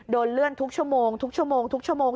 เลื่อนทุกชั่วโมงทุกชั่วโมงทุกชั่วโมง